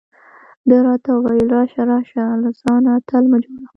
ده راته وویل: راشه راشه، له ځانه اتل مه جوړه.